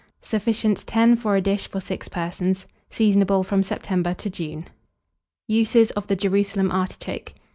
Sufficient, 10 for a dish for 6 persons. Seasonable from September to June. USES OF THE JERUSALEM ARTICHOKE.